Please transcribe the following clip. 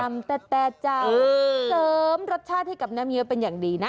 ลำแต่จะเสริมรสชาติให้กับน้ำนิ้วเป็นอย่างดีนะ